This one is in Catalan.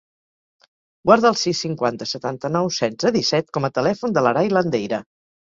Guarda el sis, cinquanta, setanta-nou, setze, disset com a telèfon de l'Aray Landeira.